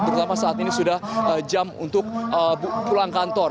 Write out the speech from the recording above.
terutama saat ini sudah jam untuk pulang kantor